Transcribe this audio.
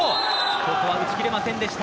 ここは打ち切れませんでした。